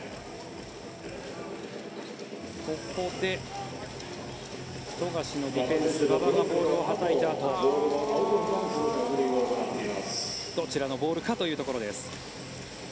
ここで富樫のディフェンス馬場がボールをはたいたあとどちらのボールかというところです。